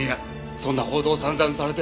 そんな報道を散々されて。